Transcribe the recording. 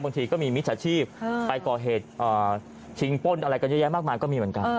บางทีก็มีมิจฉาชีพไปก่อเหตุชิงป้นอะไรกันเยอะแยะมากมายก็มีเหมือนกัน